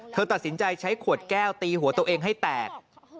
เธอตัดสินใจใช้ขวดแก้วตีหัวตัวเองให้แตก